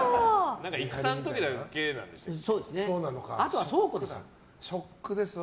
戦の時だけなんですよね。